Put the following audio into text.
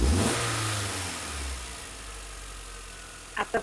আত্মা পূর্ণস্বরূপ, ধর্মের লক্ষ্য হইল মানুষের এই সহজাত পূর্ণতাকে বিকাশ করা।